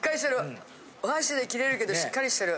お箸で切れるけどしっかりしてる。